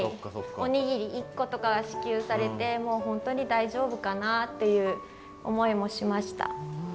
おにぎり１個とか支給されて本当に大丈夫かなっていう思いもしました。